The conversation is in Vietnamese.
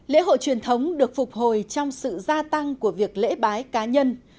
lễ hội truyền thống được phục hồi trong sự gia tăng của việc lễ bái cá nhân